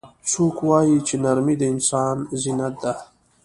څوک وایي چې نرمۍ د انسان زینت ده